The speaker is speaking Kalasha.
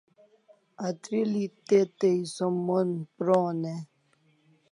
Atril'i te tai som mon pron e?